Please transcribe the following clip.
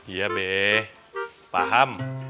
iya be paham